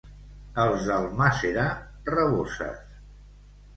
Els d'Almàssera, raboses.